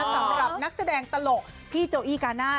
สำหรับนักแสดงตลกพี่โจอี้กาน่า